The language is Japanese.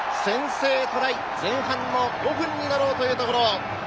先制トライ前半の５分になろうというところ。